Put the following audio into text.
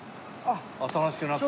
新しくなった。